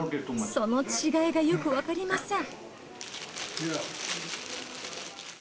その違いがよく分かりません。